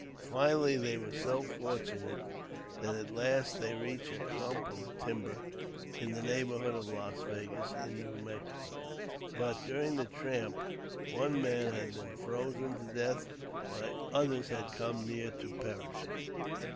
Finally they were so fortunate that at last they reached a clump of timber in the neighborhood of Las Vegas in New Mexico; but, during the tramp, one man had been frozen to death and others had come near to perishing.